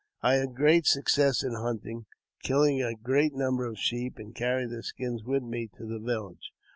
I had good success in hunting, killing a great number sheep, and carried their skins with me to the village.